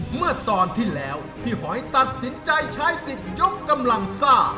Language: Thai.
เมื่อตอนที่แล้วพี่หอยตัดสินใจใช้สิทธิ์ยกกำลังซ่า